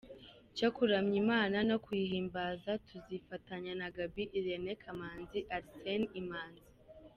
cyo kuramya Imana no kuhiyimbaza, tuzifatanya na Gaby Irene Kamanzi, Arsene Manzi,.